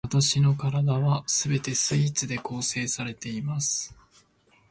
わたしの身体は全てスイーツで構成されています